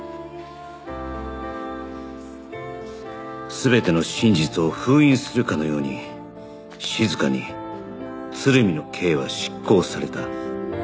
全ての真実を封印するかのように静かに鶴見の刑は執行された